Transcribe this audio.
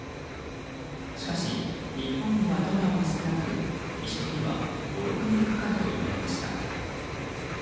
しかし、日本にはドナーが少なく移植には５６年かかるといわれました。